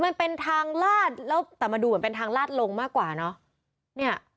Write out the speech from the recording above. มันเป็นทางลาดแต่มาดูมันเป็นทางลาดลงมากกว่าเนี่ย